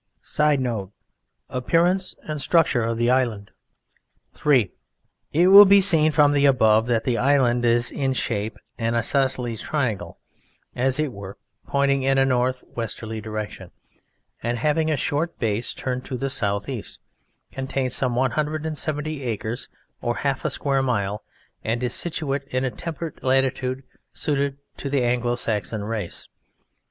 (SEAL.) [Sidenote: Appearance and Structure of the Island.] III. It will be seen from the above that the island is in shape an Isosceles triangle, as it were, pointing in a north westerly direction and having a short base turned to the south east, contains some 170 acres or half a square mile, and is situate in a temperate latitude suited to the Anglo Saxon Race.